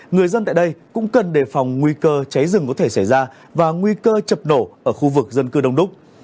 người dân tại đây cũng cần đề phòng nguy cơ cháy rừng có thể xảy ra và nguy cơ chập nổ ở khu vực dân cư đông đúc